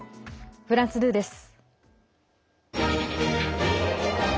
フランス２です。